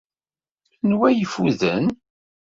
Anwa i ifuden?